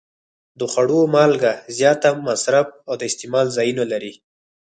د خوړو مالګه زیات مصرف او د استعمال ځایونه لري.